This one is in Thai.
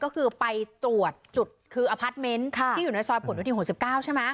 ก็คือไปตรวจจุดคืออพาร์ทเมนต์ค่ะที่อยู่ในซอยปุ่นหน้าที่หกสิบเก้าใช่ไหม